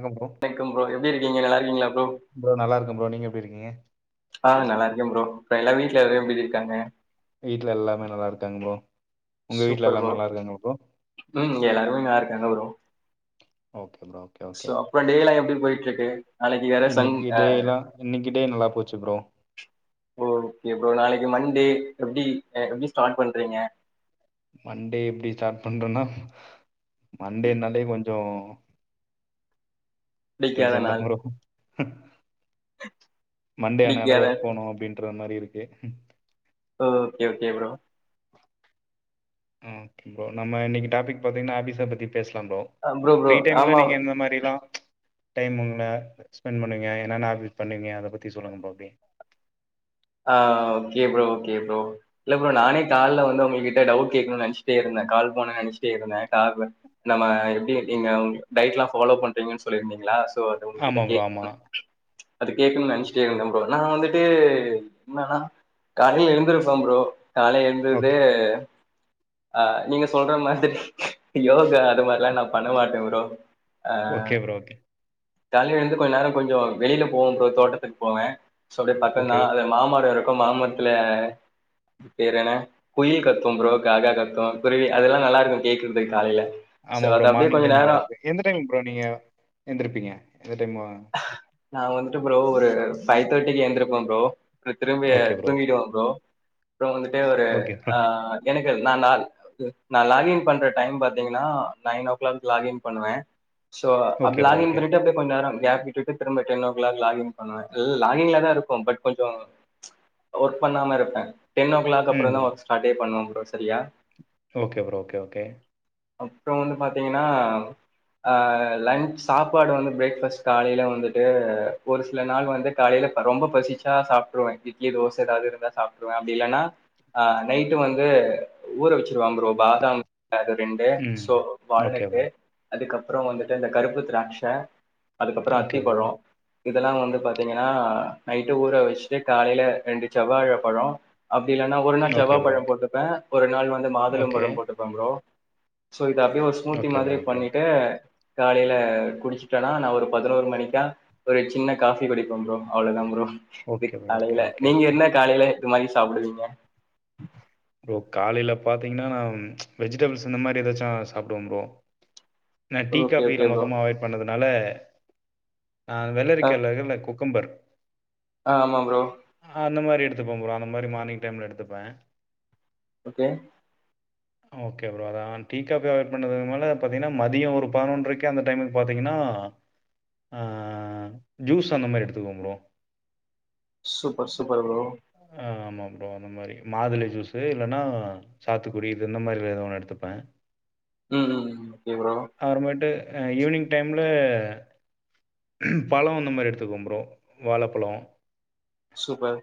ங்க ப்ரோ வணக்கம் ப்ரோ எப்டி இருக்கீங்க நல்லா இருக்கீங்களா ப்ரோ நல்லாருக்கே ப்ரோ நீங்க எப்டி இருக்கீங்க? ஆ நல்லாருக்கே ப்ரோ இப்ப எல்லா வீட்ல எல்லா எப்டி ஜி இருக்காங்க? வீட்ல எல்லாமே நல்லாருக்காங் ப்ரோ உங்க வீட்ல சூப்பர் எல்லாமே ப்ரோ நல்லா இருக்காங்க ப்ரோ ம் எல்லாருமே நல்லாருக்காங்க bro okay bro okay okay so அப்றொ டே லா எப்டி போயிட்ருக்கு நாளைக்கு வேற சன் இன்னைக்கு ஆ டேலாம் இன்னைக்கு டே நல்லா போச்சு ப்ரோ ஓகே ப்ரோ நாளைக்கு மன்டே வீக் எப்டி எப்டி ஸ்டார்ட் பண்றீங்க? மன்டே எப்டி ஸ்டார்ட் பண்றன்னா மன்டேன்னாலே கொஞ்சோ பிடிக்காத டென்சன் தா நாள் ப்ரோ ம் மண்டே ஆனாலே பிடிக்காத ஒர்க் போனு அப்டின்ற மாரி இரு க்கு ஒ okay okay bro okay bro நம்ம இன்னக்கி டாபிக் பாத்தீங்னா ஆஃபிஸ பத்தி பேச லாம் ப்ரோ ப்ரோ ஃப்ரீ ப்ரோ டைம்ல ஆமா நீங்க எந்த மாரிலா டைமுங்ளா ஸ்பெண்ட் பண்ணுவிங்க என்னென்ன ஹாபிட் பண்ணுவிங்க அத பத்தி சொல்லுங்க ப்ரோ அப்டியே ஆ ஓகே ப்ரோ ஓகே ப்ரோ இல்ல ப்ரோ நானே கால்ல வந்து உங்ககிட்ட டவுட் கேக்கணுன் நென்ச்சிட்டே இருந்தே கால் பண்ணு நென்ச்சிட்டே இருந்தே [unintelligible] நம்ம எப்டி இங்க டயட்லா ஃபாலோ பண்றீங்கன் சொல்லிருந்தீங்ளா சோ அத ஆமா உங்ககிட்ட ப்ரோ ஆமா கேக்றே அது கேக்ணுன் நென்ச்சுட்டே இருந்த ப்ரோ நா வந்துட்டு என்னானா காலைல எந்திரிப்பே ப்ரோ கால்ல எந்துடே ஓகே ஆ நீங்க சொல்ற மாரி யோகா அது மார்லா நா பண்ண மாட்டே ப்ரோ ஓகே ப்ரோ ஓகே ஜாலியா எழுந்து கொஞ் நேர கொஞ்சொ வெளில போவ ப்ரோ தோட்டத்துக் போவே சோ அப்டே பக்கந்தா ஓகே அத மரொ இருக்கு மாமரத்துல பேரு என குயில் கத்தும் ப்ரோ காக்கா கத்து குருவி அதெல்லா நல்லாருக்கு கேக்கற்துக் காலைல ஆமா ப்ரோ மார்னிங் டைம் நல்லாருக்கு எந்த டைம் ப்ரோ நீங்க எந்திருப்பீங்க? எந்த டைமா நா வந்துட்டு ப்ரோ ஒரு ஃபைவ் தேட்டிக்கு எந்திருப்ப ப்ரோ அப்ற திரும்பிய ஓகே ப்ரோ ஓகே தூங்கிடுவ ப்ரோ அப்ற வந்துட்டு ஒரு ஓகே ப்ரோ ஆ எனக் கு நா நான் நா லாகின் பண்ற டைம் பாத்தீங்கனா நைன் ஓ கிளாக் லாகின் பண்ணுவே சோ அப்டி ஓகே ப்ரோ லாகின் ஓகே பண்ணிட்டு அப்டியே கொஞ் நேரம் கேப் விட்டுட்டு திரும்ப டென் ஓ கிளாக் லாகின் பண்ணுவே லாகின்ல தா இருப்ப பட் கொஞ்சொ ஒர்க் பண்ணாம இருப்பே டென் ஓ கிளாக் ம் அப்புறந்தா ஒர்க் ஸ்டாட்டே பண்ணுவம் ப் ரோ சரியா ஓகே ப்ரோ ஓகே ஓகே அப்றொ வந்து பாத்தீங்னா அ லன்ச் சாப்பாடு வந்து பிரேக்ஃபஸ் காலைல வந்துட்டு ஒரு சில நாள் வந்து காலைல ரொம்ப பசிச்சா சாப்ட்ருவே இட்லி தோச எதாது இருந்தா சாப்ட்ருவே அப்டி இல்லன்னா அ நைட்டு வந்து ஊற வச்சுருவாம் ப்ரோ பாதம் அது ரெண்டு ம் சோ ஓகே ப்ரோ வால்நட்டு அதுக்கப் புறோ வந்துட்டு இந்த கருப்பு திராட்ச அதுக்கப்ற ஓகே ப்ரோ அத்திப்பழொ இதெல்லா வந்து பாத்தீங்கனா நைட்டு ஊற வச்சுட்டு காலைல ரெண்டு செவ்வாழ பழோ அப்டி இல்லன்னா ஒரு நாள் ஓகே செவ்வாப் ப்ரோ பழ ஓகே போட்டுப்பே ஒரு நாள் வந்து மாதுளம் ஓகே பழ போட்டுப்பே ப்ரோ சோ இத அப்டியே ஒரு ஸ்மூத்தி ஓகே ப்ரோ மாதிரி ஓகே ஓகே பண்ணிட்டு காலைல குடிச்சுட்டேனா நா ஒரு பதினோரு மணிக்கா ஒரு சின்ன காஃபி குடிப்பம் ப்ரோ அவ்ளதாம் ப்ரோ ஓகே இக் ப்ரோ ஓகே காலைல ஓகே நீங்க ஓகே என்ன காலைலே இது மாதிரி சாப்பிடுவீங்க காலையில பார்த்தீங்கன்னா நான் வெஜிடபிள்ஸ் இந்த மாதிரி ஏதாச்சும் சாப்பிடுவேன் ப்ரோ நான் டீ ஓகே காபி ஓகே லாம் ப்ரோ மொத்தமா அவாய்ட் பண்ணதுனால நான் வெள்ளரிக்கையில்ல்ல கு குக்கும்பர் ஆஹ் ஆமா ப்ரோ அந்த மாதிரி எடுத்துபேன் அந்தமாதிரி மார்னிங் டைம்ல எடுப்பேன் ஓகே ஓகே ப்ரோ அதான் டீ காப்பி அவைட் பண்ணதுக்கு மேல பார்த்தீங்கன்னா மதியம் ஒரு பதினொன்றரைக்கு அந்த டைமுக்கு பார்த்தீங்கன்னாஹ ஜூஸ் அந்த மாதிரி எடுத்துக்குவேன் ப்ரோ சூப்பர் சூப்பர் ப்ரோ ஆஹ் அப்புறம் அந்த மாதிரி மாதுளை ஜூஸ் இல்லைன்னா சாத்துக்குடி இது இந்த மாதிரில எத ஒண்ணு எடுத்துப்பேன் உம் உம் ஓகே ப்ரோ ஆ ஈவினிங் டைம்ல பழம் அந்த மாதிரி எடுத்துக்குவேன் ப்ரோ வாழைப்பழம் சூப்பர்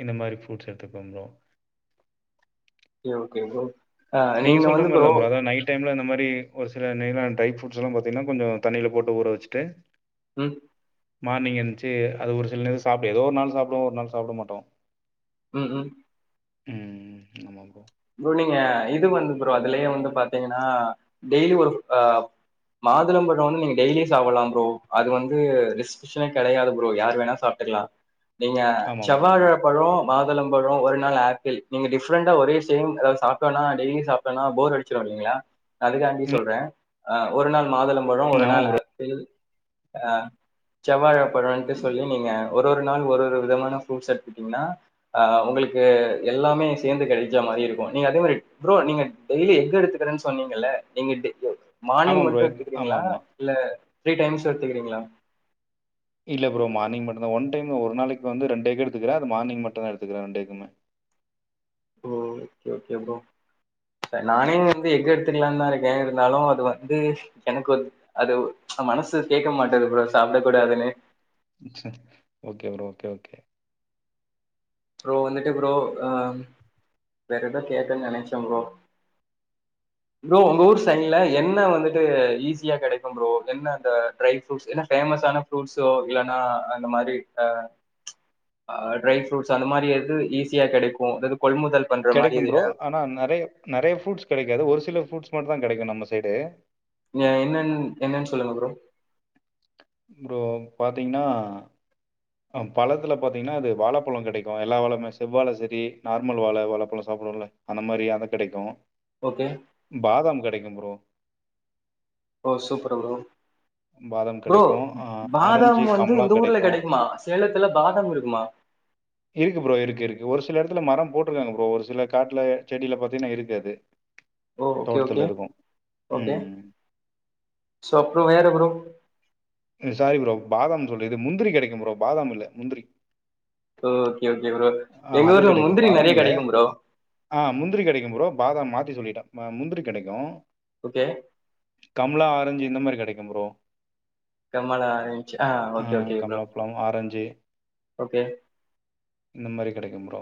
இந்த மாதிரி ப்ரூட்ஸ் எடுத்துக்குவோம் ப்ரோ ஓகே ஓகே ப்ரோ நீங்க சொல்ற மாதிரி தான் ப்ரோ அதாவது நைட் டைம்ல இந்த மாதிரி ஒரு சில நேரான ட்ரை ஃப்ரூட்ஸ் எல்லாம் பார்த்தீங்கன்னா கொஞ்சம் தண்ணில போட்டு ஊற வச்சிட்டு ம் மார்னிங் என்திருச்சு அது ஒரு சிலநேரம் சாப்பிட்டு ஏதோ ஒரு நாள் சாப்பிடுவோம் ஒரு நாள் சாப்பிட மாட்டோம் உம் உம் உஹம் ஆமா ப்ரோ ப்ரோ நீங்க இது வந்து ப்ரோ அதுலயே வந்து பாத்தீங்கன்னா டெய்லி ஒரு ஆஹ் மாதுள பழம் வந்து நீங்க டெய்லியும் சாப்பிடலாம் ப்ரோ அது வந்து ரிசவஷனே கிடையாது ப்ரோ யார் வேணா சாப்பிட்டுக்கலாம் நீங்க ஆமா ப்ரோ. செவ்வாழ ஆமா. பழம் மாதுளம்பழம் ஒரு நாள் ஆப்பிள் நீங்க டிப்ரெண்டா ஒரே டெய்லி அதாவது சாப்டோனாடெய்லி அதாவது சாப்டோனா போர் அடிச்சா அதுக்காண்டி ம். சொல்றேன் ஒரு நாள் மாதுளம் பழம் ஒரு ஆமா நாள் ப்ரோ. ஆப்பிள் அஹ் செவ்வழ பழம்ட்டு சொல்லி நீங்க ஒரு ஒரு நாள் ஒரு ஒரு விதமான ஃப்ரூட்ஸ் எத்துட்டீங்கன்னா அஹ் உங்களுக்கு எல்லாமே சேர்ந்து கிடைக்கும் அந்தமாதிரி இருக்கும் நீங்க அந்த மாதிரி ப்ரோ நீங்க டெய்லி எஃகு எடுத்துகிறனு சொன்னீங்களா நீங்க ஆமா மார்னிங் ப்ரோ. மட்டும் ஆமா, எடுத்துக்கிறீங்களா ஆமா. இல்ல த்ரீ டைம்ஸ் எடுத்துக்கிறீங்களா இல்ல ப்ரோ மார்னிங் மட்டு்ம் தான் ஒன் டைம் ஒரு நாளைக்கு வந்து ரெண்டு எக்கு எடுத்துக்கிறேன் அது மார்னிங் மட்டும் தான் எடுத்துக்கிறேன் ரெண்டு எக்குமே ஓ ஓகே ஓகே ப்ரோ நானே வந்து எங்க எடுத்துக்கலாம் தான் இருக்கேன் இருந்தாலும் அது வந்து எனக்கு வந்து அது மனசு கேட்க மாட்டது ப்ரோ சாப்ட கூடாதுன்னு ம் சரி okay bro okay okay bro வந்துட்டு ப்ரோ அஹ் வேற ஏதோ கேக்குன்னு நினைச்சேம் ப்ரோ ப்ரோ உங்க ஊர் சைன்ல என்ன வந்துட்டு ஈஸியா கெடைக்கும் ப்ரோ என்ன அந்த ட்ரை ப்ருட்ஸ் என்ன பேமஸான ப்ரூட்ஸோ இல்லன்னா அந்த மாதிரி ஹ்ஹ் ட்ரை ஃபுரூட்ஸ் து அந்த மாரி எது ஈஸியா கெடைக்கு அதது கெடைக்கும் ப்ரோ ஆனா நெறைய நெறைய ஃப்ரூட்ஸ் கெடைக்காது ஒரு சில ஃப்ரூட்ஸ் மட்டு தா கெடைக்கு நம்ம சைடு வ என்னன் என்னன் சொல்லுங்க ப்ரோ ப்ரோ பாத்தீங்னா அ பழத்துல பாத்தீங்னா அது வாழப்பழ கெடைக்கு எல்லா வாழப்மே செவ்வாழ செரி நார்மல் வாழ வாழப்பழ சாப்டுவோல்ல அந்த மாரி அதா கெடைக்கு ஓகே பாதாம் கெடைக்கும் ப்ரோ ஓ சூப்பரு ப்ரோ பாதாம் ப்ரோ கிடைக்கும். ஆ பாதாம் ஆரஞ்சு, வந்து கமலா இந்த ஊர்ல கிடைக்கும். கெடைக்குமா சேலத்துல பாதம் இருக்குமா இருக்கு ப்ரோ இருக்கு இருக்கு ஒரு சில எடத்துல மரம் போட்ருக்காங்க ப்ரோ ஒரு சில காட்ல செடில பாத்தீனா இருக்கு அது ஓ ஓகே ஓகே தோட்டத்துல இருக்கும். ஓகே ம். சோ அப்றொ வேற ப்ரோ ம் சாரி ப்ரோ பாதாம் சொல்ற இது முந்திரி கெடைக்கும் ப்ரோ பாதாம் இல்ல முந்திரி ஓ ஓகே ஓகே ப்ரோ ஆ எங்க அது ஊர்ல கிடைக்கும். முந்திரி நெறைய பாதாம் இல்ல. கெடைக்கும் ப்ரோ த்தி சொல்லிட்டே ம முந்திரி கெடைக்கு ஓகே கம்லா ஆரஞ்சு இந்த மாரி கெடைக்கும் ப்ரோ கம்மலா இருந்துச்சு ஆ ஓகே ஓகே ப்ரோ கம்லாப்ழம் ஆரஞ்சு ஓகே இந்த மாரி கெடைக்கும் ப்ரோ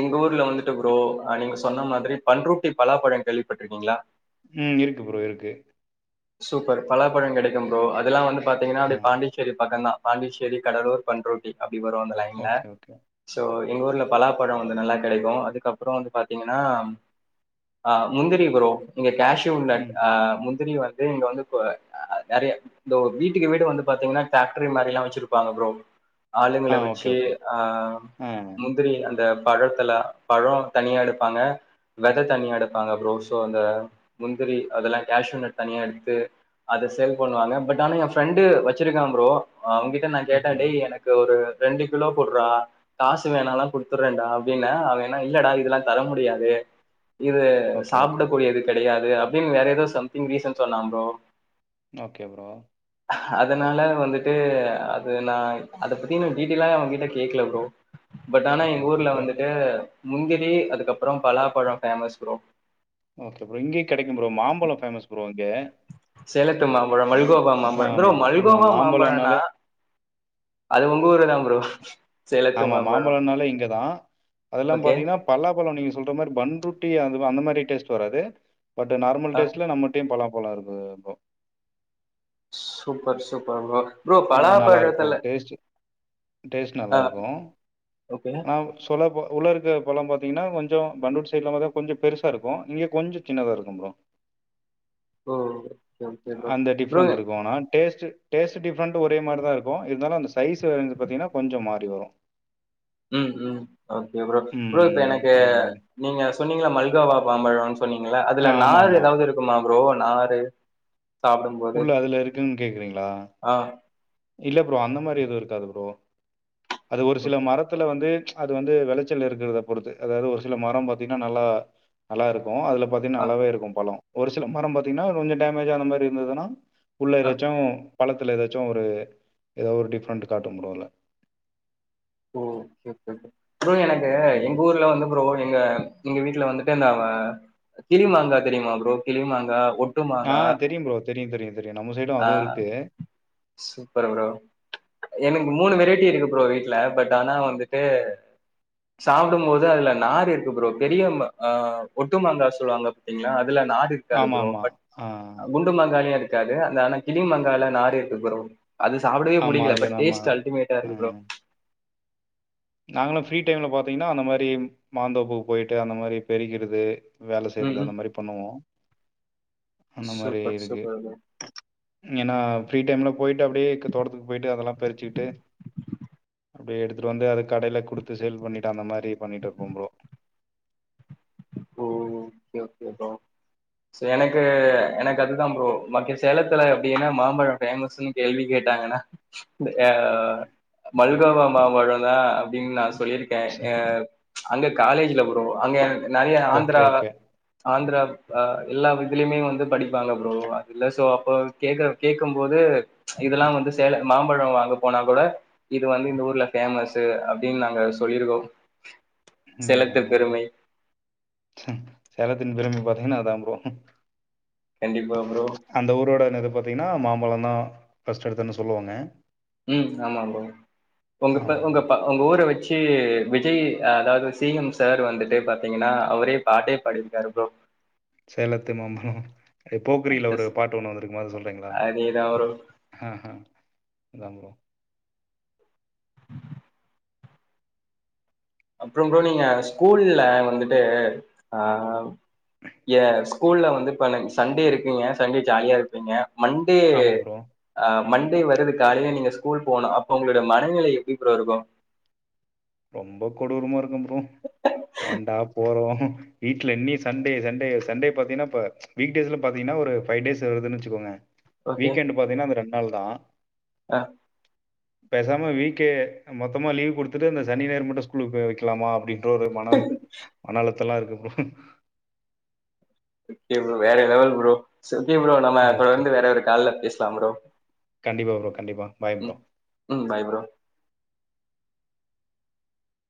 எங்க ஊர்ல வந்துட்டு ப்ரோ அ நீங்க சொன்ன மாதிரி பண்ருட்டி பலாப்பழ கேள்விப்பட்ருக்கீங்ளா? ம் இருக்கு ப்ரோ இருக்கு சூப்பர் பலாப்பழங் கெடைக்கும் ப்ரோ அதெல்லா வந்து பாத்தீங்கனா ஆ. அப்டே பாண்டிச்சேரி பக்கந்தா பாண்டிச்சேரி கடலூர் பண்ருட்டி அ ப்டி வரு அந்த லைன்ல ஓகே, ஓகே. சோ எங்க ஊர்ல பலாப்பழ வந்து நல்லா கெடைக்கு அதுக்கப்றொ வந்து பாத்தீங்கனா அ முந்திரி ப்ரோ இங்க கேஷுநட் ம். ஆ முந்திரி வ ந்து இங்க வந்து இப்ப அ நெறைய இந்த வீட்டுக்கு வீடு வந்து பாத்தீங்னா டேக்ட்ரி மாரில்லா வச்சிருப்பாங்க ப்ரோ ஆ ஆளுங்கள ஓகே, வச்சி ஓகே. ஆ ஆ. முந்திரி அந்த பழத்தெலா பழோ தனியா எடுப்பாங்க வெத தனியா எடுப்பாங்க ப்ரோ சோ அந்த முந்திரி அதெல்லா கேஷுநட் தனியா எடுத்து அத செல் பண்ணுவாங்க பட் ஆனா எ ஃப்ரெண்டு வச்சிருக்கா ப்ரோ அவங்கிட்ட நா கேட்டே ஓகே. டேய் எனக்கு ஒரு ரெண்டு கிலோ குட்றா காசு வேணாலா குடுத்துறேன்டா அப்டின்னே அவெ எனா இல்லடா இதுலா தர முடியாது இது ஓகே, ஓகே. சாப்டக்கூடியது கெடையா அப்டின் நெறய பேர் சம் டிங் ரீசன் சொண்ணாம் ப்ரோ ஓகே ப்ரோ அதனால வந்துட்டு அது நா அத பத்தி நா டீட்டெய்லா அவ கிட்ட கேக்கல ப்ரோ பட் இட்ஸ் ஆனா ஓகே, எங்க ஓகே. ஊர்ல இப்ப வந்துட்டு முந்திரி அதுக்கப்றோ பலாப்பழம் ஃபேமஸ் ப்ரோ ஓகே ப்ரோ இங்கேயே கெடைக்கு ப்ரோ மாம்பழம் பேஃமஸ் ப்ரோ இங்க சேலட்டு மாம்பழம் மல்கோவா மாம்பழம் ப்ரோ ஆமா, ஆமா. மல்கோபா மாம்பழம்னா மாம்பழம்னாலே அது ஒங்க ஊரு தா ப்ரோ சேலத்து ஆமா மாம்பழம் மாம்பழம்னாலே இங்கதா அதெல்லாம் ஓகே பாத்தீங்கன்னா பல்லாபழம் நீங்க சொல்ற மாதிரி பண்ருட்டி அ அந்த மாதிரி டேஸ்ட் வராது பட நார்மல் ஆ டேஸ்ல நம்மட்டையும் பலா பலா இருக்கு ப்ரோ சூப்பர் சூப்பர் வ ஆ நல்லா இருக்கு டேஸ்ட்டு டேஸ்ட் நல்லா ஆ இருக்கு ஓகே ஆனா சொல்ல போ உள்ள இருக்க பழம் பாத்தீங்கன்னா கொஞ்சோ பண்டூர் சைட் இல்லாம தா கொஞ்சோ பெருசாக இருக்கு இங்கே கொஞ்சோ சின்னதா இருக்கு ப்ரோ ப்ரோ ஓகே ஓகே அந்த ப்ரோ டிஃப்ரெண்ட் இருக்கு ஆனா டேஸ்ட்டு டேஸ்ட்டு டிஃப்ரண்ட் ஒரே மாரி தா இருக்கு இருந்தாலு அந்த சைஸ் வந்து பாத்தீங்கனா கொஞ்சோ மாறி வரு உம் உம் ஓகே ப்ரோ ப்ரோ இப்ப ம். எனக்கு அந்த மாரி. நீங்க சொன்னீங்களா மல்கோவா பாம்பழம் சொன்னீங்களா அதுல நார் ஆமாமா. ஏதாவது இருக்குமா ப்ரோ நாரு சாப்பிடும்போது உள்ள அதுல இருக்குன்னு கேக்குறீங்ளா ஆ இல்ல ப்ரோ அந்த மாதிரி எதுவு இருக்காது ப்ரோ அது ஒரு சில மரத்ல வந்து அது வந்து வெளச்சல் இருக்கிறத பொறுத்து அதாவது ஒரு சில மரம் பத்தீங்கன்னா நல்லா நல்லா இருக்கு ஆ அதுல பாத்திங்கனா ஆ நல்லாவே இருக்கு பழோ ஒரு சில மரம் பாத்தீங்கனா கொஞ்சோ டேமேஜ் ஆன மாதிரி இருந்ததுன்னா உள்ள ஆ ஏதாச்சு பழத்துல ஏதாச்சு ஒரு ஏதோ ஒரு டிஃப்ரெண்ட் காட்டும்ப்ரோ அதுல ஓ ஓகே ஓகே [unintelligible] எனக்கு ம். எங்க ஊர்ல வந்து ப்ரோ எங்க எங்க வீட்டுல வந்துட்டு இந்த கிளி மாங்கா தெரியுமா ப்ரோ கிளி மாங்கா ஒட் ட்டு மாங்க ஆ தெரியும் ப்ரோ. தெரியும் தெரியும் தெரியும். நம்ம சைடும் ஆ அதுவும் இருக்கு. சூப்பர் ப்ரோ எனக்கு மூணு வெரைட் [unintelligible] இருக்கு ப்ரோவி ல பட் ஆனா வந்துட்டு சாப்டும்போது அதுல நார் இருக்கு ப்ரோ பெரிய ஒட்டுமங்கா சொல்லுவாங்க பாத்தீங்களா அது இதுல நார் இருக்காது ப்ரோ ஆமாமா. பட ஆ குண்டு மாங்காளயுஇருக் இருக்காது அந் அனா கிளிமங்கால நார் இருக்கு ப்ரோ அது சாப்பிடவே ஆமா பிடிக்கல அதுல பட் நம்ம டேஸ்ட் அல்டிமேட்டா இருக்கு ப்ரோ நாங்களு ஃப்ரீ டைம்ல பாத்தீங்கன்னா அந்த மாரி மாந்தோப்புக்கு போயிட்டு அந்த மாரி பெருக்கிறது வேல செய்றது ம். அந்த மாதிரி பண்ணுவோ அந்த மாரி சூப்பர், இருக்கு சூப்பர் ப்ரோ. ஏன்னா ஃப்ரீ டைம்ல போயிட்டு அப்டியே தோட்டத்துக்கு போயிட்டு அதெல்லா பிறிச்சுக்கிட்டு அப்டியே எடுத்துட்டு வந்து அது கடய்ல குடுத்து சேல் பண்ணிட்டு அந்த மாரி பண்ணிட்டு இருக்கு ப்ரோ ஓ ஓகே ஓகே ப்ரோ சோ எனக்கு எனக்கு அதுதா ப்ரோ மக்கிய சேலத்துல அப்படின்னா மாம்பழம் ஃபேமஸ்ன்னு கேள்வி கேட்டாங்கன்னா எஆ மல்கோவா மாம்பழோ தா அப்டின்னாஸ் சொல்லிருக்கே அ அங்க காலேஜ்ல ப்ரோ அங்க என்க் நறையா ஓகே ஆந்திரா ஓகே ஆந்திரா அ எல்லா இதுலயுமே வந்து படிப்பாங்க ப்ரோ அது இல்ல சோ அப்ப கேக்க கேக்கம்போது இதெல்லா வந்து சேல மாம்பழோ வாங்க போனா கூட இது வந்து இந்த ஊர்ல பேமஸு அப்டின்னு நாங்க சொல்லிருக்கோ சேலத்து பெருமை ச சேலத்தின் பெருமை பார்த்தீங்கன்னா அதா ப்ரோ கண்டிப்பா ப்ரோ அந்த ஊரோட என்து பாத்தீங்கன்னா மாம்பழந் தா ஃபஸ்ட் எடுத்துன்ன சொல்லுவாங்க உ ஆமா ப்ரோ உங்க ஆமாம் உங்க ப்ரோ உங்க ஊர வச்சு சு விஜய் அதாவது சி எம் சார் வந்துட்டு பாத்தீங்கன்னா அவரே பாட்டே பாடிருக்காரு ப்ரோ சேலத்து மாம்பழெ போக்கிரில ஒரு எஸ் பாட்டு ஒண்ணு வந்திருக்குமே அத சொல்றீங்களா அதேதா ப்ரோ ஹ ஹ அதாம்ப்ரோ [unintelligible] அப்புறோ ப்றோ நீங்க ஸ்கூல்ல வந்துட்டு அ ஏ ஸ்கூல்ல வந்து சண்டே இருக்குங்க சண்டே ஜாலியா இருப்பீங்க மண்டே ஆமாம் ப்ரோ அ மண்டே வருது காலையில நீங்க ஸ்கூல் போனு அப்ப உங்களோட மனநிலை எப்டி ப்ரோ இருக்கு ரொம்ப கொடூரமா இருக்கு னு ஏன்டா போறோ வீட்ல இன்னே சண்டே சண்டே சண்டே பாத்தீங்கன்னா இப்ப வீ்க்டேஸ்ல பாத்தீங்கன்னா ஒரு ஃபைவ் டேஸ் வருதுன்னு வச்சுக்கோங்க வீக்கெண்டு பாத்தீங்கன்னா அந்த ரெண் னால் தா அ பேசாம வீக்கே மொத்தமா லீவ் குடுத்துட்டு அந்த சனி ஞாயிறு மட்டு ஸ்கூல்க்கு போயி வக்கலாம அப்டின்ட் டொரு மன மன அழுத் தலா இருக்கு வ் வேற லெவல் ப்ரோ ஓகே ப்ரோ நம்ம ஓகே. தொடர்ந்து வேற ஒரு கால்ல பேசலா ப்ரோ கண்டிப்பா ப்ரோ. கண்டிப்பா. Bye bro. ம் ம் பாய் பரோ